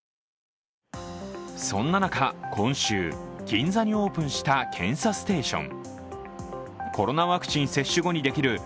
そんな中、今週銀座にオープンした検査ステーション。